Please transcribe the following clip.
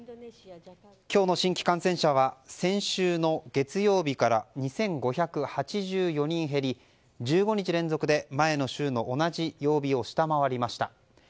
今日の新規感染者数は先週の月曜日から２５８４人減り１５日連続で前の週の同じ曜日を下回りました。